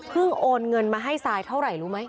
โอนเงินมาให้ซายเท่าไหร่รู้ไหม